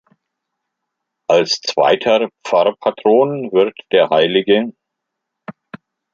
Als zweiter Pfarrpatron wird der hl.